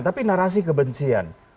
tapi narasi kebencian